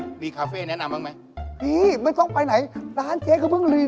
ถ้าใครจะขี่รถก็จะบ้าเหรออะไรเนี่ย